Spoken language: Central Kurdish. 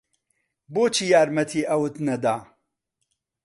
بۆچی یارمەتی ئەوت نەدا؟